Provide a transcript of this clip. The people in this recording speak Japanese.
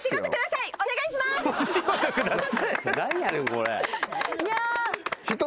何やねんこれ。